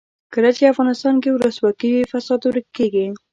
کله چې افغانستان کې ولسواکي وي فساد ورک کیږي.